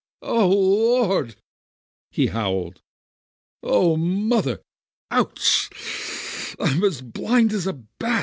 Oh Lord!" he howled. "Oh, mother! Ouch ! I'm as blind as a bat